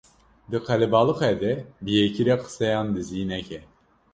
Di qelebalixê de bi yekî re qiseyên dizî neke